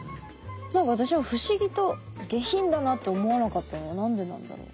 何か私は不思議と下品だなって思わなかったのは何でなんだろう。